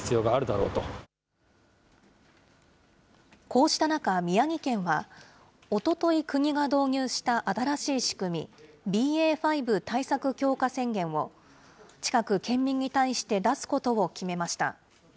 こうした中、宮城県は、おととい、国が導入した新しい仕組み、ＢＡ．５対策強化宣言を、近く県民に対して出すことを決めました。